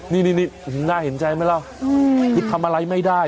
นี่นี่นี่น่าเห็นใจไหมล่ะอืมคือทำอะไรไม่ได้